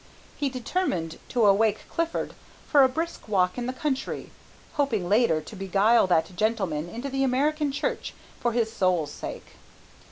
He determined to awake Clifford for a brisk walk in the country, hoping later to beguile that gentleman into the American church for his soul's sake.